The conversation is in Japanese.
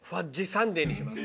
サンデーにします。